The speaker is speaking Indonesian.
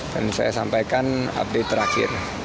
dan saya sampaikan update terakhir